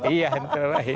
iya ntar lah ya